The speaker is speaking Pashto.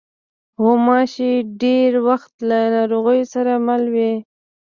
غوماشې ډېری وخت له ناروغیو سره مله وي.